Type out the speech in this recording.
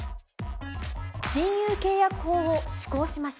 「親友契約法」を施行しました。